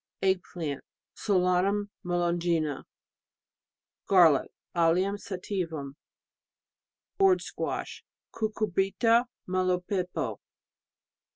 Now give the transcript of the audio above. Egg plant .... Solanum melongena. Garlic AUium sativum. Gourd squash ... Cucurbita melopepo.